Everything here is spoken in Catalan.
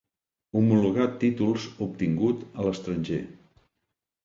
Homologar títols obtingut a l'estranger.